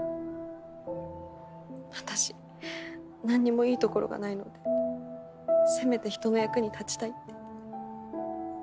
私なんにもいいところがないのでせめて人の役に立ちたいって。